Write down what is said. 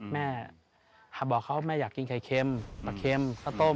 แม่บอกเขาแม่อยากกินไข่เค็มปลาเค็มข้าวต้ม